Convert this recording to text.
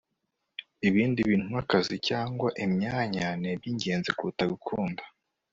ibindi bintu nkakazi cyangwa imyanya nibyingenzi kuruta gukunda